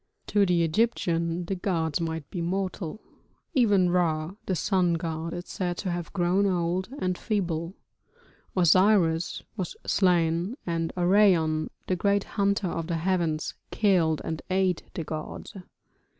To the Egyptian the gods might be mortal; even Ra, the sun god, is said to have grown old and feeble, Osiris was slain, and Orion, the great hunter of the heavens, killed and ate the gods.